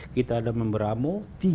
kita ada membramo